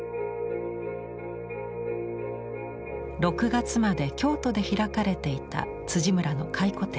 ６月まで京都で開かれていた村の回顧展。